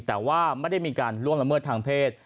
แต่ว่าไม่ได้มีการล่วงละเมิดทางเพศ